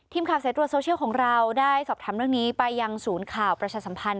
สายตรวจโซเชียลของเราได้สอบถามเรื่องนี้ไปยังศูนย์ข่าวประชาสัมพันธ